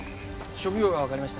職業がわかりました。